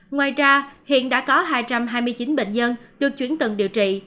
ngoài ra hiện đã có hai trăm hai mươi chín bệnh nhân được chuyển tận điều trị